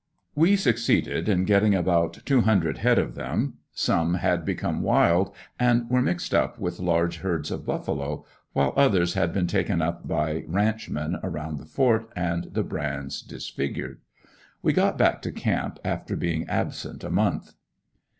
We succeeded in getting about two hundred head of them; some had become wild and were mixed up with large herds of buffalo, while others had been taken up by ranchmen around the Fort and the brands disfigured. We got back to camp after being absent a month.